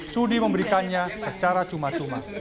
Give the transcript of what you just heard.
sudi memberikannya secara cuma cuma